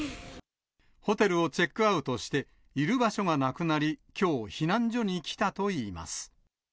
ホテルをチェックアウトして、いる場所がなくなり、きょう、避難所に来たといいます。